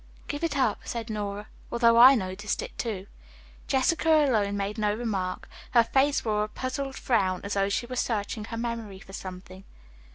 "Give it up," said Nora. "Although I noticed it, too." Jessica alone made no remark. Her face wore a puzzled frown, as though she were searching her memory for something.